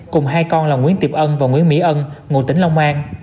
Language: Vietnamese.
cùng hai con là nguyễn tiệp ân và nguyễn mỹ ân ngụ tỉnh long an